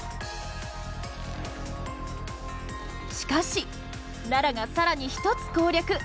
しかし奈良が更に１つ攻略。